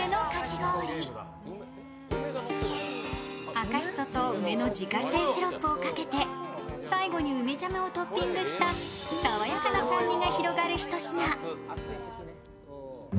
赤しそと梅の自家製シロップをかけて、最後に梅ジャムをトッピングした爽やかな酸味が広がるひと品。